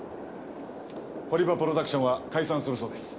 堀場プロダクションは解散するそうです。